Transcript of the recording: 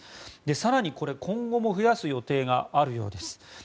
更に、今後も増やす予定があるようです。